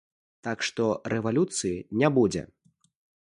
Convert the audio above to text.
Так што рэвалюцыі не будзе.